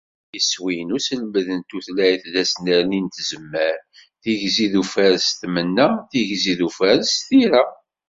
Iswi n uselmed n tutlayt d asnerni n tzemmar: tigzi d ufares s tmenna, tigzi d ufares s tira.